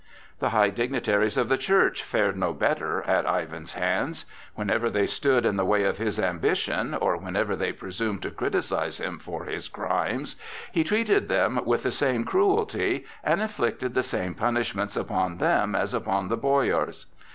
The high dignitaries of the Church fared no better at Ivan's hands. Whenever they stood in the way of his ambition, or whenever they presumed to criticise him for his crimes, he treated them with the same cruelty and inflicted the same punishments upon them as upon the boyars.